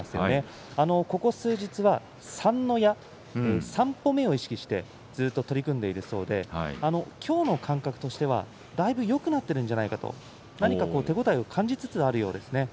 ここ数日、三の矢３歩目を意識してずっと取り組んでいるそうできょうの感覚としてはだいぶよくなっているんじゃないかと手応えを感じつつあるようです。